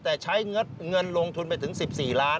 แต่ใช้เงินลงทุนไปถึง๑๔ล้าน